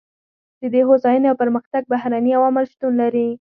د دې هوساینې او پرمختګ بهرني عوامل شتون لري.